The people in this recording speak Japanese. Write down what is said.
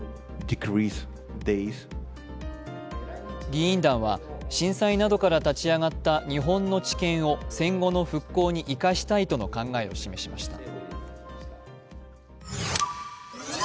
議員団は、震災などから立ち上がった日本の知見を戦後の復興に生かしたいとの考えを示しました。